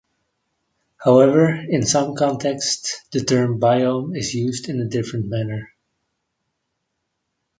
However, in some contexts, the term biome is used in a different manner.